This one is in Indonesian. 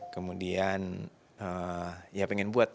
kemudian ya pengen buat